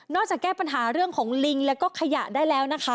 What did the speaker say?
จากแก้ปัญหาเรื่องของลิงแล้วก็ขยะได้แล้วนะคะ